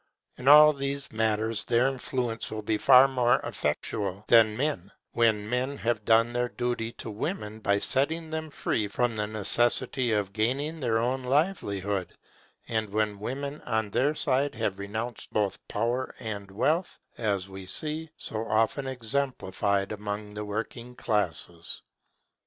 In all these matters their influence will be far more effectual, when men have done their duty to women by setting them free from the necessity of gaining their own livelihood; and when women on their side have renounced both power and wealth, as we see, so often exemplified among the working classes.